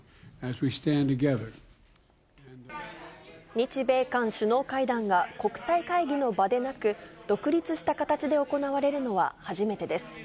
日米韓首脳会談が国際会議の場でなく、独立した形で行われるのは初めてです。